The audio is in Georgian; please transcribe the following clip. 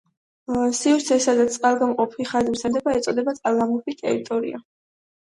სივრცეს, სადაც წყალგამყოფი ხაზი ვრცელდება, ეწოდება წყალგამყოფი ტერიტორია.